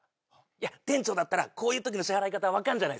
いや店長だったらこういう時の支払い方分かるんじゃ。